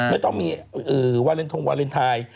ไม่ต้องมีวาเลนทงวาเลนไทย